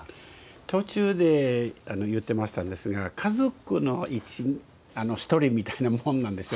途中で言ってましたんですが家族の１人みたいなものなんですよ。